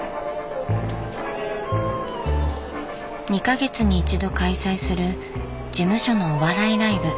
２か月に一度開催する事務所のお笑いライブ。